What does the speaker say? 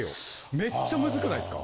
めっちゃムズくないですか？